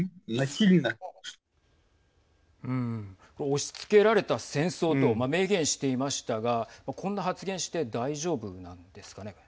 押しつけられた戦争と明言していましたがこんな発言して大丈夫なんですかね。